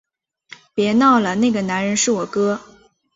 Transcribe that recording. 别闹了，那个男人是我哥